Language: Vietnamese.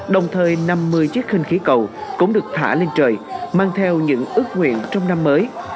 đồng thời năm mươi chiếc khinh khí cầu cũng được thả lên trời mang theo những ước nguyện trong năm mới